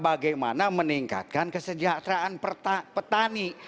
bagaimana meningkatkan kesejahteraan petani